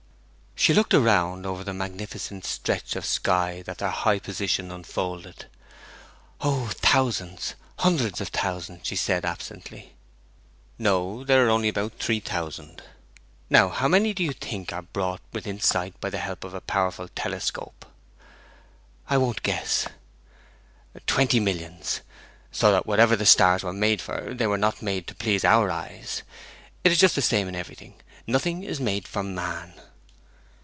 She looked around over the magnificent stretch of sky that their high position unfolded. 'Oh, thousands, hundreds of thousands,' she said absently. 'No. There are only about three thousand. Now, how many do you think are brought within sight by the help of a powerful telescope?' 'I won't guess.' 'Twenty millions. So that, whatever the stars were made for, they were not made to please our eyes. It is just the same in everything; nothing is made for man.'